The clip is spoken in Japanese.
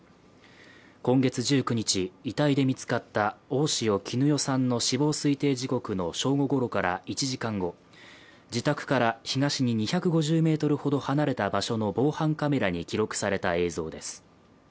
今月１９日、遺体で見つかった大塩衣与さんの死亡推定時刻の正午ごろから１時間後自宅から東に２５０ｍほど離れた場所の防犯カメラに記録された映像です。